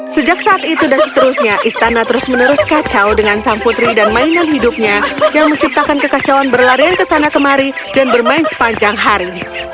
sejak saat itu dan seterusnya istana terus menerus kacau dengan sang putri dan mainan hidupnya yang menciptakan kekacauan berlarian kesana kemari dan bermain sepanjang hari